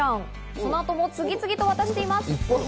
この後も次々と渡しています。